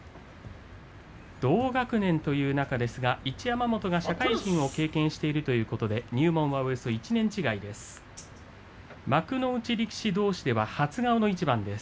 同学年という仲ですが一山本は社会人を経験しているということで入門がおよそ１年違いです。